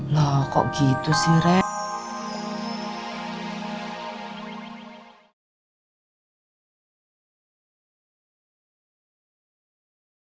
lah kok gitu sih red